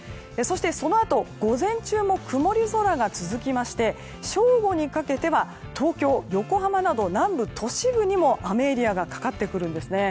そのあと午前中も曇り空が続きまして正午にかけては東京、横浜など南部都市部にも雨エリアがかかってくるんですね。